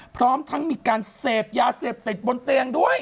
พร้อมทั้งมีการเสพยาเสพติดบนเตียงด้วย